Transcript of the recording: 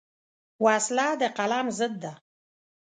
وسله د قلم ضد ده